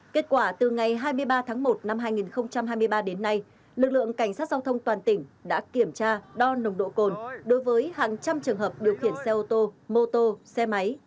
kết quả từ ngày hai mươi ba tháng một năm hai nghìn hai mươi ba đến nay lực lượng cảnh sát giao thông toàn tỉnh đã kiểm tra đo nồng độ cồn đối với hàng trăm trường hợp điều khiển xe ô tô mô tô xe máy